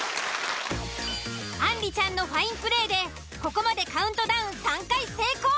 あんりちゃんのファインプレーでここまでカウントダウン３回成功。